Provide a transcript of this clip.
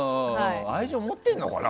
愛情、持ってるのかな。